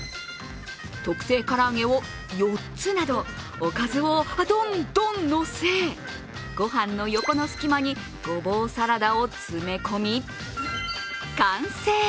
特製唐揚げを４つなどおかずをどんどんのせご飯の横の隙間にごぼうサラダを詰め込み、完成。